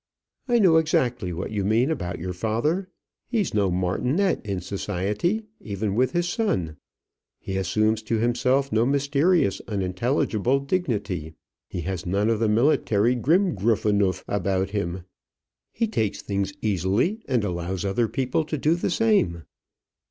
"I know exactly what you mean about your father: he is no martinet in society, even with his son. He assumes to himself no mysterious unintelligible dignity. He has none of the military Grimgruffenuff about him. He takes things easily, and allows other people to do the same."